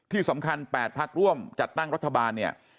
ที่สำคัญ๘พักร่วมจัดตั้งรัฐบาลเนี่ย